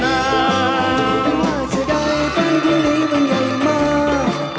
ถ้าจะได้เป็นที่นี้มันใหญ่มาก